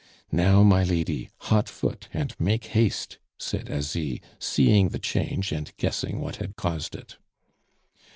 "Now, my lady, hot foot, and make haste!" said Asie, seeing the change, and guessing what had caused it.